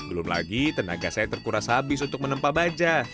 belum lagi tenaga saya terkuras habis untuk menempa baja